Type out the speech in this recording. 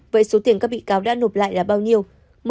vậy số tiền các bị cáo đã nộp lại là bao nhiêu